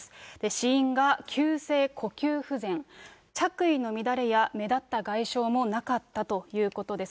死因が急性呼吸不全、着衣の乱れや目立った外傷もなかったということです。